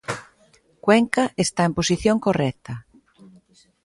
Cuenca está en posición correcta.